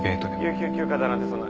有給休暇だなんてそんな。